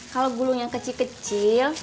kalo gulungnya kecil kecil